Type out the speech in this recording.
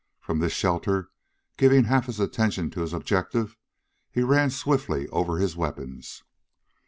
From this shelter, still giving half his attention to his objective, he ran swiftly over his weapons.